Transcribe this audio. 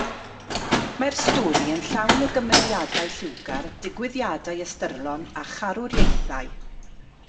Mae'r stori yn llawn o gymeriadau lliwgar, digwyddiadau ystyrlon, a charwriaethau.